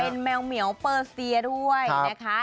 แมวเหมียวเปอร์เซียด้วยนะคะ